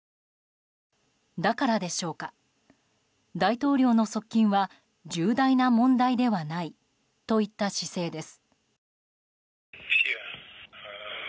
だからでしょうか大統領の側近は重大な問題ではないといった姿勢です。